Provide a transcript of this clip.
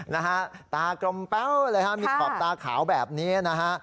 นะฮะตากลมแป๊วเลยฮะมีขอบตาขาวแบบนี้นะฮะ